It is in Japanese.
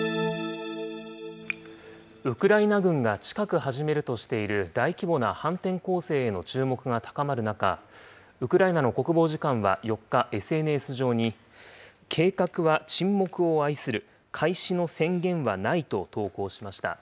ウクライナ軍が近く始めるとしている大規模な反転攻勢への注目が高まる中、ウクライナの国防次官は４日、ＳＮＳ上に、計画は沈黙を愛する、開始の宣言はないと投稿しました。